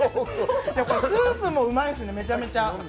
スープもうまいです、めちゃくちゃ。